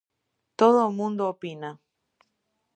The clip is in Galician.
Todo o mundo opina.